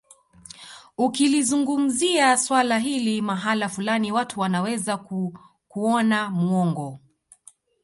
Ukilizungumzia swala hili mahala fulani watu wanaweza kukuona muongo